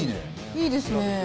いいですね。